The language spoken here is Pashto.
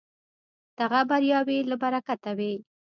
دغه بریاوې له برکته وې.